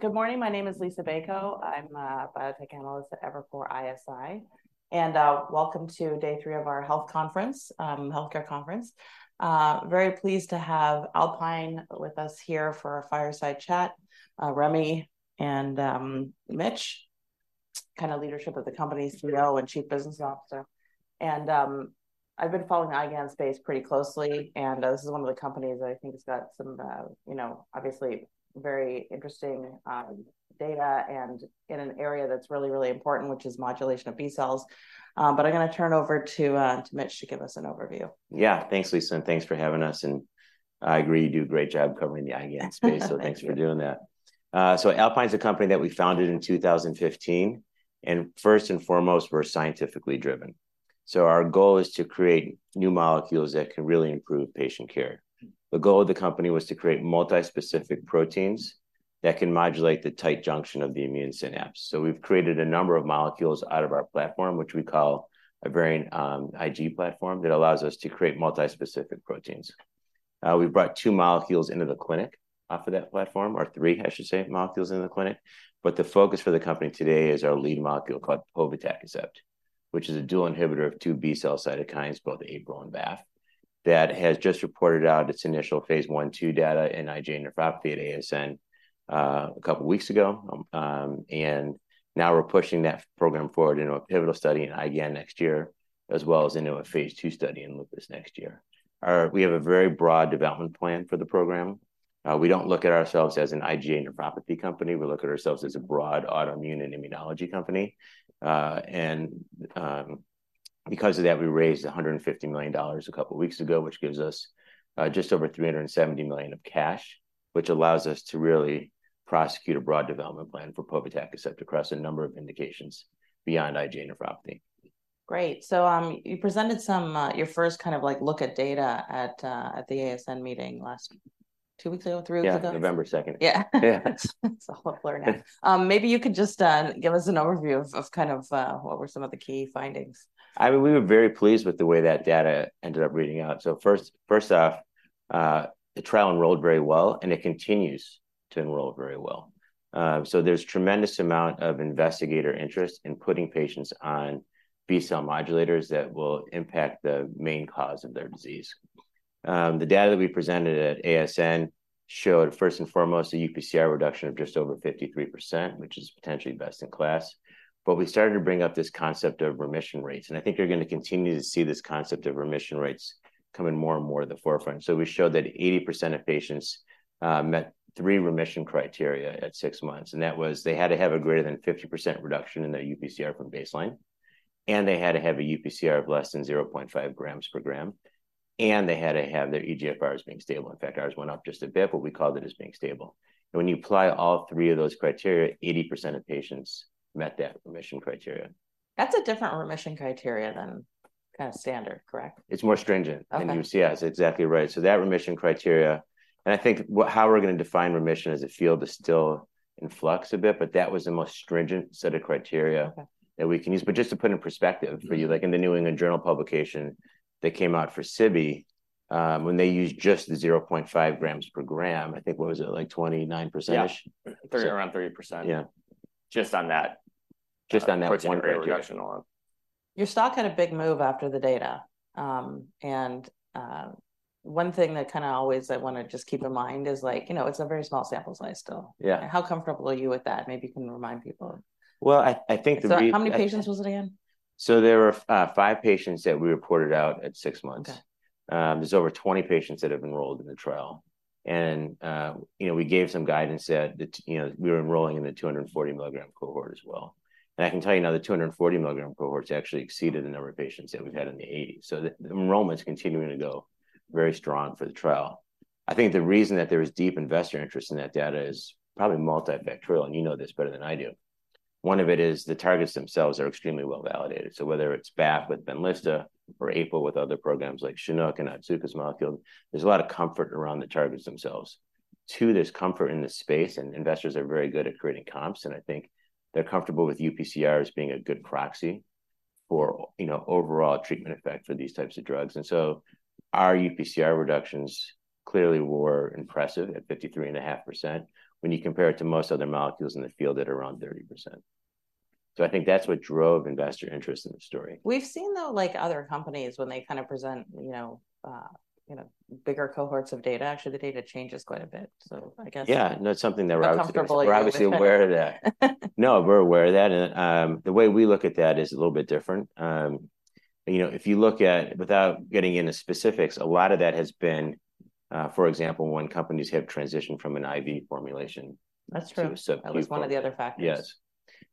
Good morning. My name is Liisa Bayko. I'm a biotech analyst at Evercore ISI, and welcome to day three of our healthcare conference. Very pleased to have Alpine with us here for our fireside chat, Remy and Mitch, kind of leadership of the company, CEO and Chief Business Officer. And I've been following the IgAN space pretty closely, and this is one of the companies I think has got some, you know, obviously very interesting data, and in an area that's really, really important, which is modulation of B-cells. But I'm gonna turn over to Mitch to give us an overview. Yeah. Thanks, Liisa, and thanks for having us, and I agree, you do a great job covering the IgAN space, so thanks for doing that. So Alpine's a company that we founded in 2015, and first and foremost, we're scientifically driven. So our goal is to create new molecules that can really improve patient care. The goal of the company was to create multi-specific proteins that can modulate the tight junction of the immune synapse. So we've created a number of molecules out of our platform, which we call a variant Ig platform, that allows us to create multi-specific proteins. We've brought two molecules into the clinic off of that platform, or three, I should say, molecules into the clinic, but the focus for the company today is our lead molecule called povetacicept, which is a dual inhibitor of two B-cell cytokines, both APRIL and BAFF, that has just reported out its initial phase I/II data in IgA nephropathy at ASN a couple weeks ago. Now we're pushing that program forward into a pivotal study in IgAN next year, as well as into a phase II study in lupus next year. We have a very broad development plan for the program. We don't look at ourselves as an IgA nephropathy company. We look at ourselves as a broad autoimmune and immunology company. Because of that, we raised $150 million a couple weeks ago, which gives us just over $370 million of cash, which allows us to really prosecute a broad development plan for povetacicept across a number of indications beyond IgA nephropathy. Great. So, you presented some, your first kind of, like, look at data at the ASN meeting last two weeks ago, three weeks ago? Yeah, November 2nd. Yeah. Yeah. It's all a blur now. Maybe you could just give us an overview of kind of what were some of the key findings. I mean, we were very pleased with the way that data ended up reading out. So first off, the trial enrolled very well, and it continues to enroll very well. So there's tremendous amount of investigator interest in putting patients on B-cell modulators that will impact the main cause of their disease. The data that we presented at ASN showed, first and foremost, a UPCR reduction of just over 53%, which is potentially best in class. But we started to bring up this concept of remission rates, and I think you're going to continue to see this concept of remission rates come in more and more to the forefront. So we showed that 80% of patients met three remission criteria at six months, and that was, they had to have a greater than 50% reduction in their UPCR from baseline, and they had to have a UPCR of less than 0.5 grams per gram, and they had to have their eGFRs being stable. In fact, ours went up just a bit, but we called it as being stable. And when you apply all three of those criteria, 80% of patients met that remission criteria. That's a different remission criteria than kind of standard, correct? It's more stringent- Okay. -than UPCR. That's exactly right. So that remission criteria... And I think how we're going to define remission as a field is still in flux a bit, but that was the most stringent set of criteria- Okay -that we can use. But just to put in perspective for you, like in the New England Journal publication that came out for Sibi, when they used just the 0.5 grams per gram, I think, what was it, like 29%-ish? Yeah. 30, around 30%. Yeah. Just on that- Just on that one criterion.... reduction alone. Your stock had a big move after the data, and one thing that kind of always I want to just keep in mind is, like, you know, it's a very small sample size still. Yeah. How comfortable are you with that? Maybe you can remind people. Well, I think Sorry, how many patients was it again? There were five patients that we reported out at six months. Okay. There's over 20 patients that have enrolled in the trial. You know, we gave some guidance that, you know, we were enrolling in the 240-milligram cohort as well. I can tell you now, the 240-milligram cohort's actually exceeded the number of patients that we've had in the 80s. So the enrollment's continuing to go very strong for the trial. I think the reason that there is deep investor interest in that data is probably multifactorial, and you know this better than I do. One of it is the targets themselves are extremely well-validated. So whether it's BAFF with Benlysta, or APRIL with other programs like Chinook and Otsuka's molecule, there's a lot of comfort around the targets themselves. Two, there's comfort in the space, and investors are very good at creating comps, and I think they're comfortable with UPCR as being a good proxy for, you know, overall treatment effect for these types of drugs. And so our UPCR reductions clearly were impressive at 53.5% when you compare it to most other molecules in the field at around 30%. So I think that's what drove investor interest in the story. We've seen, though, like, other companies, when they kind of present, you know, you know, bigger cohorts of data, actually, the data changes quite a bit. So I guess- Yeah, no, it's something that we're obviously- We're comfortable with... We're obviously aware of that. No, we're aware of that, and, the way we look at that is a little bit different. You know, if you look at, without getting into specifics, a lot of that has been, for example, when companies have transitioned from an IV formulation- That's true... to subQ. That was one of the other factors. Yes.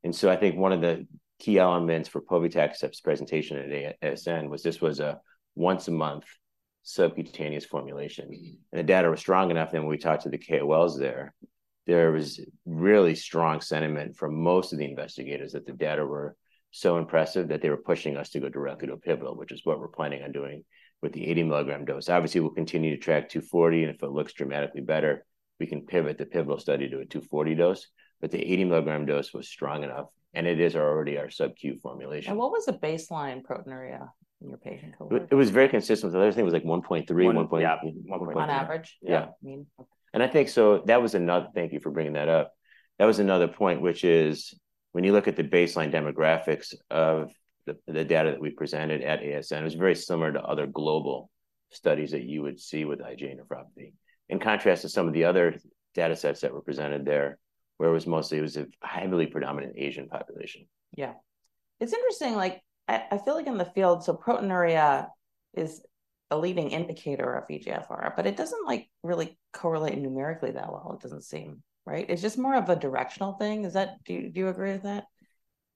And so I think one of the key elements for povetacicept's presentation at ASN was this was a once-a-month subcutaneous formulation. Mm-hmm. The data was strong enough, and when we talked to the KOLs there, there was really strong sentiment from most of the investigators that the data were so impressive that they were pushing us to go directly to a pivotal, which is what we're planning on doing with the 80-milligram dose. Obviously, we'll continue to track 240, and if it looks dramatically better, we can pivot the pivotal study to a 240 dose, but the 80-milligram dose was strong enough, and it is already our subQ formulation. What was the baseline proteinuria in your patient cohort? It was very consistent. The other thing was, like, 1.3, 1- One, yeah. One point- On average? Yeah. Mm-hmm. And I think, so that was another - thank you for bringing that up. That was another point, which is - when you look at the baseline demographics of the data that we presented at ASN, it was very similar to other global studies that you would see with IgA nephropathy, in contrast to some of the other data sets that were presented there, where it was mostly a heavily predominant Asian population. Yeah. It's interesting, like, I, I feel like in the field, so proteinuria is a leading indicator of eGFR, but it doesn't, like, really correlate numerically that well, it doesn't seem, right? It's just more of a directional thing. Is that, do you, do you agree with that?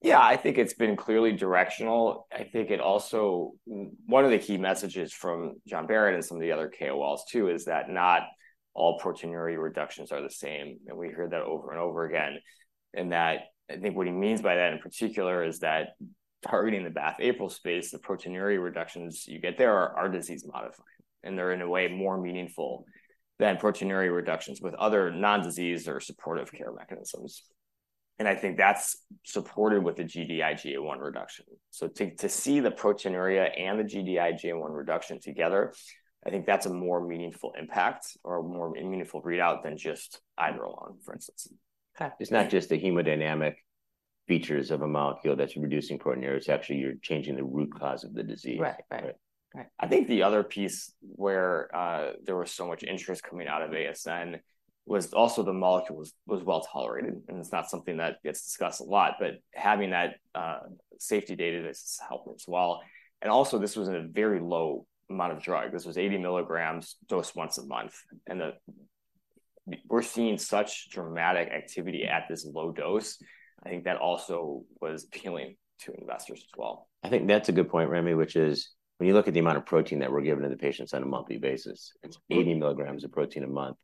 Yeah, I think it's been clearly directional. I think it also one of the key messages from John Barratt and some of the other KOLs, too, is that not all proteinuria reductions are the same, and we heard that over and over again. And that I think what he means by that, in particular, is that targeting the BAFF-APRIL space, the proteinuria reductions you get there are disease-modifying, and they're, in a way, more meaningful than proteinuria reductions with other non-disease or supportive care mechanisms. And I think that's supported with the Gd-IgA1 reduction. So to see the proteinuria and the Gd-IgA1 reduction together, I think that's a more meaningful impact or a more meaningful readout than just either alone, for instance. Okay. It's not just the hemodynamic features of a molecule that's reducing proteinuria, it's actually you're changing the root cause of the disease. Right. Right. Right. Right. I think the other piece where there was so much interest coming out of ASN was also the molecule was well-tolerated, and it's not something that gets discussed a lot, but having that safety data, this has helped as well. And also, this was in a very low amount of drug. This was 80 milligrams dosed once a month, and we're seeing such dramatic activity at this low dose. I think that also was appealing to investors as well. I think that's a good point, Remy, which is when you look at the amount of protein that we're giving to the patients on a monthly basis, it's 80 milligrams of protein a month.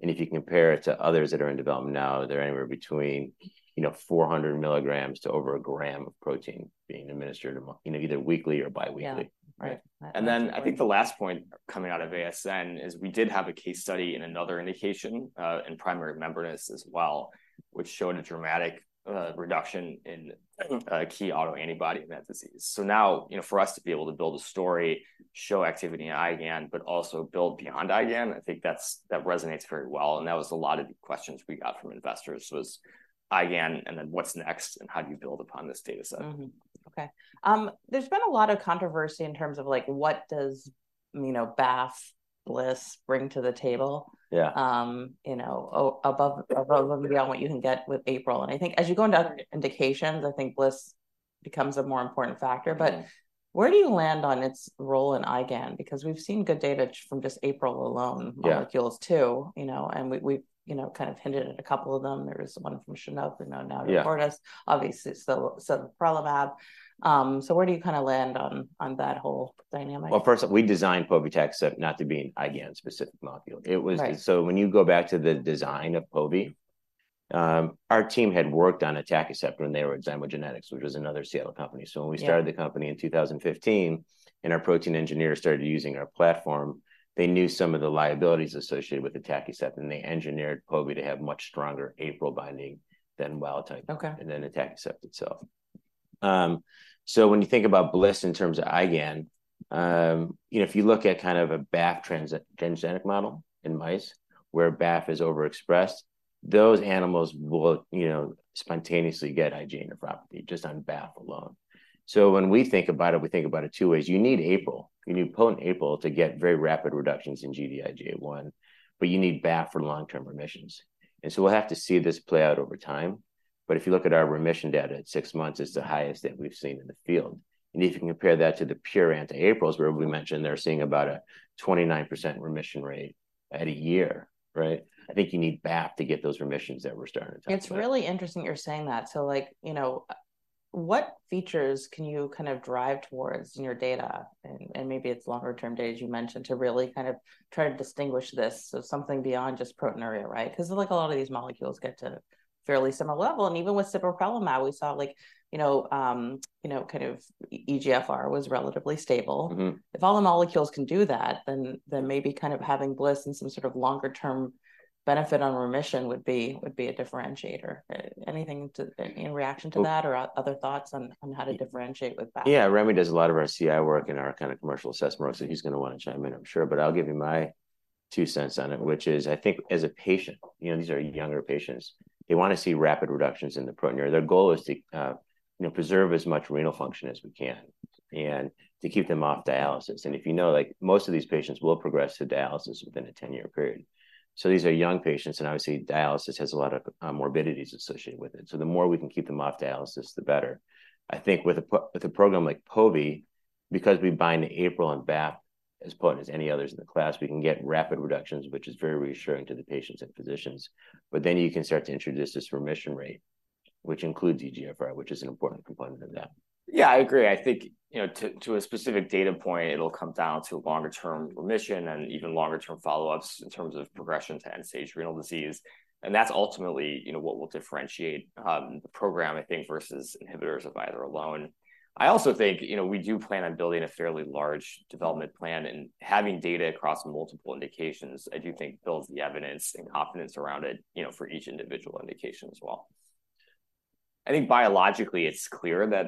And if you compare it to others that are in development now, they're anywhere between, you know, 400 milligrams to over 1 gram of protein being administered a month, you know, either weekly or biweekly. Yeah. Right. And then I think the last point coming out of ASN is we did have a case study in another indication, in primary membranous as well, which showed a dramatic, reduction in, key autoantibody in that disease. So now, you know, for us to be able to build a story, show activity in IgAN, but also build beyond IgAN, I think that's, that resonates very well, and that was a lot of the questions we got from investors, was IgAN, and then, "What's next? And how do you build upon this data set? Mm-hmm. Okay. There's been a lot of controversy in terms of, like, what does, you know, BAFF, BLyS bring to the table- Yeah... you know, above and beyond what you can get with APRIL. And I think as you go into other indications, I think BLyS becomes a more important factor. Yeah. But where do you land on its role in IgAN? Because we've seen good data from just APRIL alone... Yeah... molecules, too, you know, and we've you know, kind of hinted at a couple of them. There is one from Sanofi known now to Novartis. Yeah. Obviously, sibeprenlimab. So where do you kind of land on that whole dynamic? Well, first, we designed povetacicept not to be an IgAN-specific molecule. Right. So when you go back to the design of povey, our team had worked on atacicept when they were at ZymoGenetics, which was another Seattle company. Yeah. When we started the company in 2015, and our protein engineers started using our platform, they knew some of the liabilities associated with atacicept, and they engineered povey to have much stronger APRIL binding than wild type- Okay... and then atacicept itself. So when you think about BLyS in terms of IgAN, you know, if you look at kind of a BAFF transgenic model in mice, where BAFF is overexpressed, those animals will, you know, spontaneously get IgA nephropathy just on BAFF alone. So when we think about it, we think about it two ways. You need APRIL. You need potent APRIL to get very rapid reductions in Gd-IgA1, but you need BAFF for long-term remissions. And so we'll have to see this play out over time. But if you look at our remission data, at six months, it's the highest that we've seen in the field. And if you compare that to the pure anti-APRILs, where we mentioned they're seeing about a 29% remission rate at a year, right? I think you need BAFF to get those remissions that we're starting to talk about. It's really interesting you're saying that. So, like, you know, what features can you kind of drive towards in your data? And maybe it's longer-term data, as you mentioned, to really kind of try to distinguish this, so something beyond just proteinuria, right? Because, like, a lot of these molecules get to a fairly similar level. And even with sibeprenlimab, we saw, like, you know, kind of eGFR was relatively stable. Mm-hmm. If all the molecules can do that, then maybe kind of having BLyS and some sort of longer-term benefit on remission would be a differentiator. Anything in reaction to that or other thoughts on how to differentiate with that? Yeah, Remy does a lot of our CI work and our, kind of, commercial assessment work, so he's gonna wanna chime in, I'm sure. But I'll give you my two cents on it, which is, I think as a patient, you know, these are younger patients, they wanna see rapid reductions in the proteinuria. Their goal is to, you know, preserve as much renal function as we can and to keep them off dialysis. And, you know, like, most of these patients will progress to dialysis within a 10-year period. So these are young patients, and obviously, dialysis has a lot of morbidities associated with it. So the more we can keep them off dialysis, the better. I think with a program like povey, because we bind the APRIL and BAFF as potent as any others in the class, we can get rapid reductions, which is very reassuring to the patients and physicians. But then you can start to introduce this remission rate, which includes eGFR, which is an important component of that. Yeah, I agree. I think, you know, to a specific data point, it'll come down to longer-term remission and even longer-term follow-ups in terms of progression to end-stage renal disease, and that's ultimately, you know, what will differentiate, the program, I think, versus inhibitors of either alone. I also think, you know, we do plan on building a fairly large development plan, and having data across multiple indications, I do think builds the evidence and confidence around it, you know, for each individual indication as well. I think biologically, it's clear that,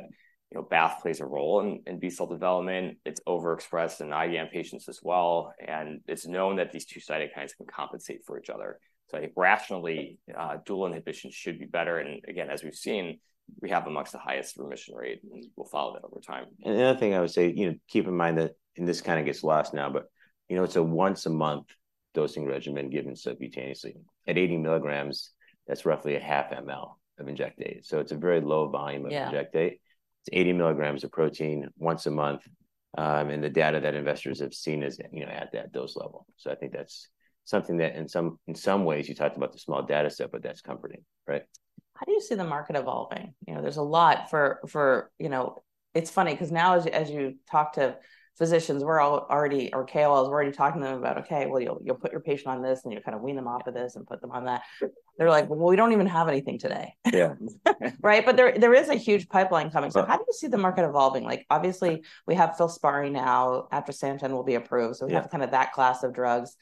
you know, BAFF plays a role in B-cell development. It's overexpressed in IgAN patients as well, and it's known that these two cytokines can compensate for each other. So I think rationally, dual inhibition should be better, and again, as we've seen, we have among the highest remission rate, and we'll follow that over time. And another thing I would say, you know, keep in mind that, and this kind of gets lost now, but, you know, it's a once-a-month dosing regimen given subcutaneously. At 80 milligrams, that's roughly a 0.5 ml of injectate, so it's a very low volume of injectate. Yeah. It's 80 milligrams of protein once a month, and the data that investors have seen is, you know, at that dose level. So I think that's something that in some ways, you talked about the small data set, but that's comforting, right? How do you see the market evolving? You know, there's a lot for... You know, it's funny 'cause now as you talk to physicians, we're all already or KOLs, we're already talking to them about, "Okay, well, you'll put your patient on this, and you'll kind of wean them off of this and put them on that." They're like, "Well, we don't even have anything today. Yeah. Right? But there, there is a huge pipeline coming. Right. How do you see the market evolving? Like, obviously, we have filspari now, atrasentan will be approved. Yeah. So we have kind of that class of drugs.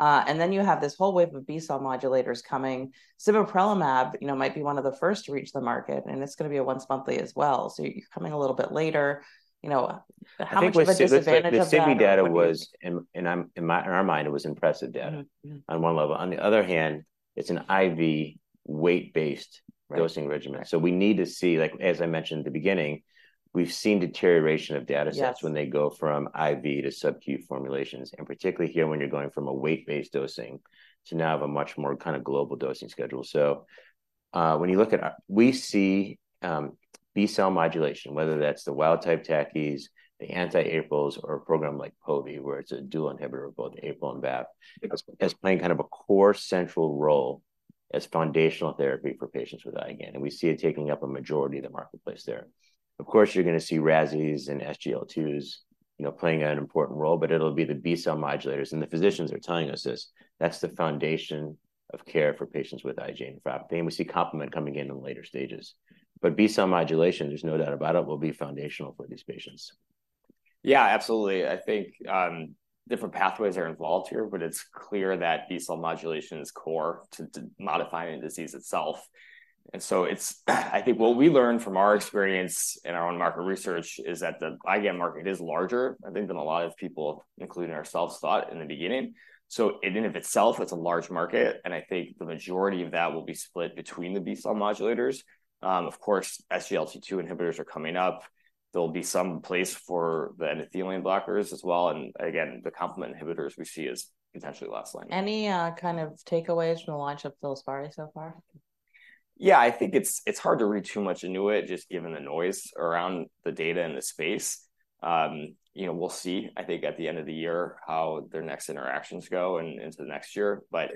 And then you have this whole wave of B-cell modulators coming. Sibeprenlimab, you know, might be one of the first to reach the market, and it's gonna be a once-monthly as well, so you're coming a little bit later. You know, how much of a disadvantage is that? I think the sibeprenlimab data was, in our mind, it was impressive data. Mm-hmm. Mm-hmm... on one level. On the other hand, it's an IV, weight-based- Right - dosing regimen. So we need to see, like, as I mentioned at the beginning, we've seen deterioration of data sets- Yes... when they go from IV to subq formulations, and particularly here, when you're going from a weight-based dosing to now have a much more kind of global dosing schedule. So, when you look at, we see B-cell modulation, whether that's the wild-type TACI's, the anti-APRILs, or a program like povey, where it's a dual inhibitor of both APRIL and BAFF- Yeah... as playing kind of a core central role as foundational therapy for patients with IgAN, and we see it taking up a majority of the marketplace there. Of course, you're gonna see RASIs and SGLT2s, you know, playing an important role, but it'll be the B-cell modulators. And the physicians are telling us this, that's the foundation of care for patients with IgAN nephropathy, and we see complement coming in in the later stages. But B-cell modulation, there's no doubt about it, will be foundational for these patients. Yeah, absolutely. I think different pathways are involved here, but it's clear that B-cell modulation is core to, to modifying the disease itself. And so it's... I think what we learned from our experience in our own market research is that the IgAN market is larger, I think, than a lot of people, including ourselves, thought in the beginning. So in and of itself, it's a large market, and I think the majority of that will be split between the B-cell modulators. Of course, SGLT2 inhibitors are coming up. There'll be some place for the endothelin blockers as well, and again, the complement inhibitors we see as potentially last line. Any kind of takeaways from the launch of filspari so far? Yeah, I think it's, it's hard to read too much into it, just given the noise around the data and the space. You know, we'll see, I think, at the end of the year, how their next interactions go, and into the next year. But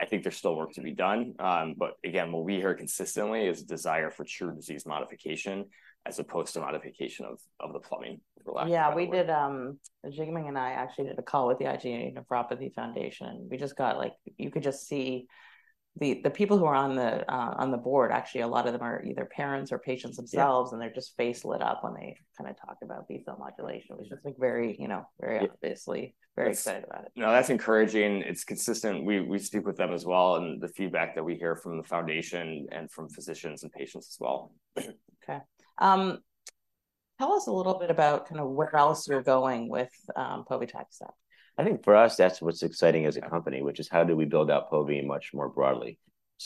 I think there's still work to be done. But again, what we hear consistently is a desire for true disease modification as opposed to modification of, of the plumbing- Yeah, we did, Jigming and I actually did a call with the IgA Nephropathy Foundation. We just got, like, you could just see, the people who are on the board, actually, a lot of them are either parents or patients themselves. Yeah. Their faces just lit up when they kind of talked about B-cell modulation, which is, like, very, you know, very obviously- Yeah... very excited about it. No, that's encouraging, and it's consistent. We speak with them as well, and the feedback that we hear from the foundation and from physicians and patients as well. Okay. Tell us a little bit about kind of where else you're going with povetacicept type stuff? I think for us, that's what's exciting as a company, which is how do we build out povey much more broadly?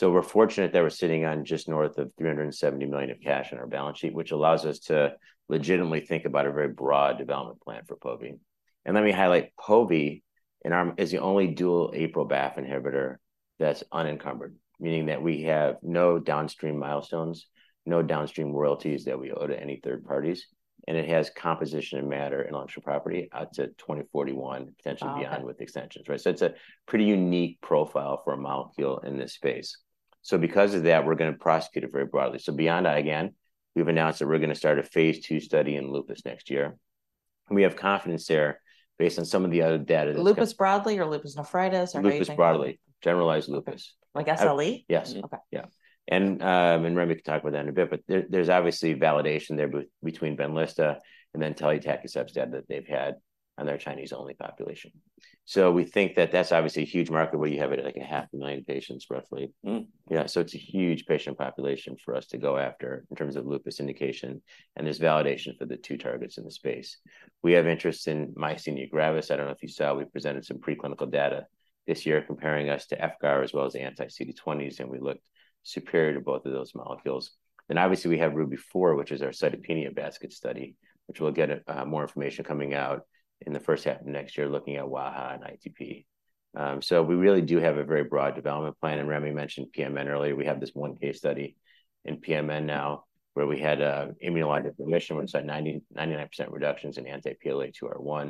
We're fortunate that we're sitting on just north of $370 million of cash on our balance sheet, which allows us to legitimately think about a very broad development plan for povey. Let me highlight, povey is the only dual APRIL-BAFF inhibitor that's unencumbered, meaning that we have no downstream milestones, no downstream royalties that we owe to any third parties, and it has composition of matter intellectual property out to 2041. Wow... potentially beyond with extensions, right? So it's a pretty unique profile for a molecule in this space. So because of that, we're gonna prosecute it very broadly. So beyond IgAN, we've announced that we're gonna start a phase II study in lupus next year, and we have confidence there based on some of the other data- Lupus broadly or lupus nephritis, or what are you thinking? Lupus broadly. Generalized lupus. Like SLE? Yes. Okay. Yeah. And, and Remy can talk about that in a bit, but there's obviously validation there between Benlysta and then telitacicept that they've had on their Chinese-only population. So we think that that's obviously a huge market, where you have, like, 500,000 patients, roughly. Mm. Yeah, so it's a huge patient population for us to go after in terms of lupus indication, and there's validation for the two targets in the space. We have interest in myasthenia gravis. I don't know if you saw, we presented some preclinical data this year comparing us to FcRn as well as anti-CD20s, and we looked superior to both of those molecules. Then, obviously, we have RUBY-4, which is our cytopenia basket study, which we'll get more information coming out in the first half of next year, looking at wAIHA and ITP. So we really do have a very broad development plan, and Remy mentioned PMN earlier. We have this one case study in PMN now, where we had immunologic remission, which is at 99% reductions in anti-PLA2R,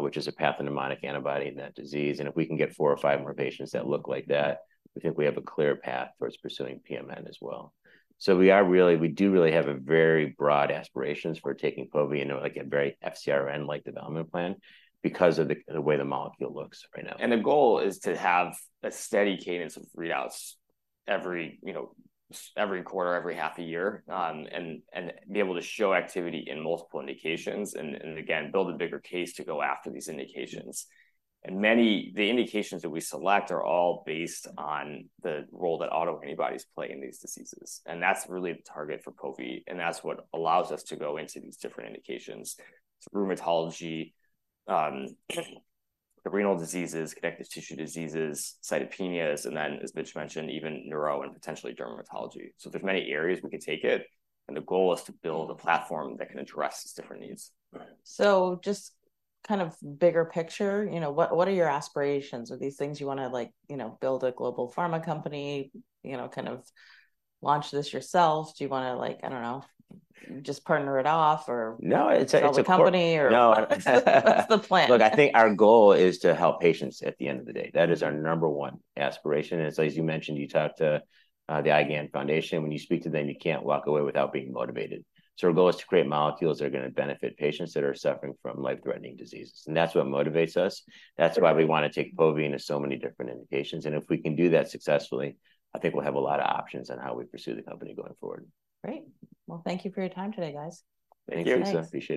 which is a pathognomonic antibody in that disease, and if we can get four or five more patients that look like that, we think we have a clear path towards pursuing PMN as well. So we are really- we do really have a very broad aspirations for taking povey into, like, a very FcRn-like development plan because of the way the molecule looks right now. The goal is to have a steady cadence of readouts every, you know, every quarter, every half a year, and be able to show activity in multiple indications, and again, build a bigger case to go after these indications. The indications that we select are all based on the role that autoantibodies play in these diseases, and that's really the target for povey, and that's what allows us to go into these different indications, rheumatology, the renal diseases, connective tissue diseases, cytopenias, and then, as Mitch mentioned, even neuro and potentially dermatology. There's many areas we could take it, and the goal is to build a platform that can address different needs. Right. So, just kind of bigger picture, you know, what, what are your aspirations? Are these things you wanna, like, you know, build a global pharma company, you know, kind of launch this yourself? Do you wanna, like, I don't know, f- just partner it off, or- No, it's a po- Sell the company? No. What's the plan? Look, I think our goal is to help patients at the end of the day. That is our number one aspiration, and so as you mentioned, you talked to the IgAN Foundation. When you speak to them, you can't walk away without being motivated. So our goal is to create molecules that are gonna benefit patients that are suffering from life-threatening diseases, and that's what motivates us. That's why we want to take povey into so many different indications, and if we can do that successfully, I think we'll have a lot of options on how we pursue the company going forward. Great. Well, thank you for your time today, guys. Thank you. Thanks, appreciate it.